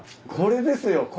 これですよ。